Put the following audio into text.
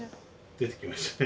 出て来ましたね。